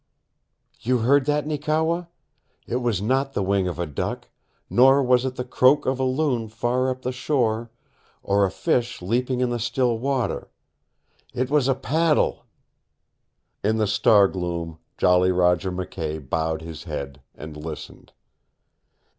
"You heard that, Neekewa? It was not the wing of a duck, nor was it the croak of a loon far up the shore, or a fish leaping in the still water. IT WAS A PADDLE!" In the star gloom Jolly Roger McKay bowed his head, and listened.